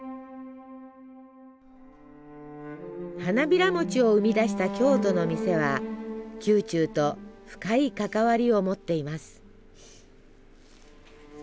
花びらもちを生み出した京都の店は宮中と深い関わりを持っています。